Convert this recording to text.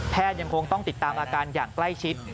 ยังคงต้องติดตามอาการอย่างใกล้ชิด